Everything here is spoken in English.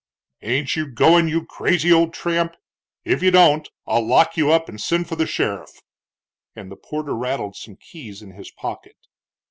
"Ain't you going, you crazy old tramp? If you don't I'll lock you up and send for the sheriff;" and the porter rattled some keys in his pocket.